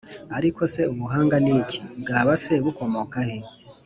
Ariko se Ubuhanga ni iki? Bwaba se bukomoka he?